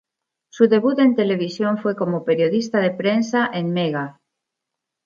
Su debut en televisión fue como periodista de prensa en Mega.